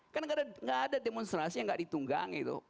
karena enggak ada demonstrasi yang enggak ditunggang